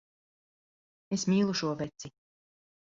Es mīlu šo veci.